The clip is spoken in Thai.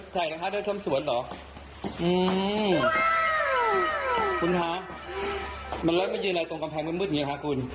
ใช่นะคะด้วยช่องสวนเหรออืมคุณฮะมันเลยมายืนในตรงกำแพงมืดมืด